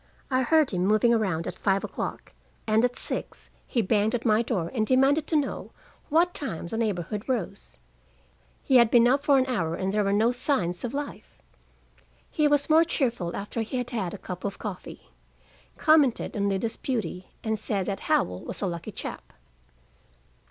I heard him moving around at five o'clock, and at six he banged at my door and demanded to know at what time the neighborhood rose: he had been up for an hour and there were no signs of life. He was more cheerful after he had had a cup of coffee, commented on Lida's beauty, and said that Howell was a lucky chap.